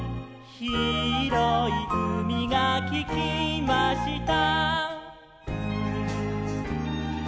「ひろいうみがありました」